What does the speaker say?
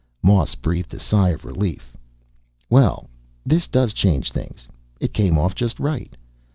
Moss breathed a sigh of relief. "Well, this does change things. It came off just right."